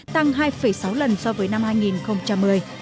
tăng hai sáu lần so với năm hai nghìn một mươi